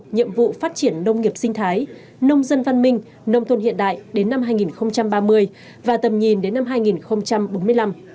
nhiệm vụ phát triển nông nghiệp sinh thái nông dân văn minh nông thôn hiện đại đến năm hai nghìn ba mươi và tầm nhìn đến năm hai nghìn bốn mươi năm